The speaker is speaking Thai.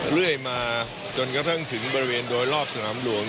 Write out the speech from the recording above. เรื่อยมาจนกระทั่งถึงบริเวณโดยรอบสนามหลวง